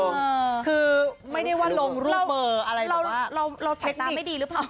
คือไม่ได้ว่าลงรูปเบอร์อะไรหรือเปล่า